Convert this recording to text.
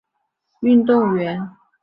虞朝鸿是中国竞走运动员。